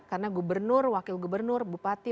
karena gubernur wakil gubernur bupati